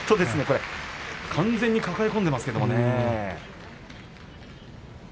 完全に抱え込んでいますけれどもね。